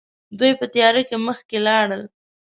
دوی په تياره کې مخکې لاړل.